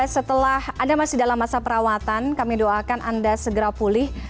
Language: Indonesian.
setelah anda masih dalam masa perawatan kami doakan anda segera pulih